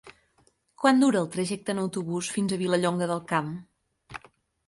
Quant dura el trajecte en autobús fins a Vilallonga del Camp?